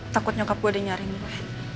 takut nyokap gue ada nyariin gue